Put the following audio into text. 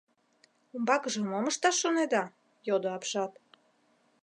— Умбакыже мом ышташ шонеда? — йодо апшат.